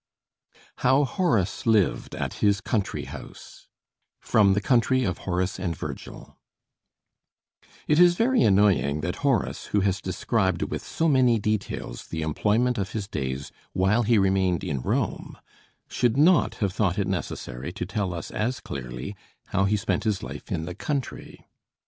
HOW HORACE LIVED AT HIS COUNTRY HOUSE From 'The Country of Horace and Virgil' It is very annoying that Horace, who has described with so many details the employment of his days while he remained in Rome, should not have thought it necessary to tell us as clearly how he spent his life in the country.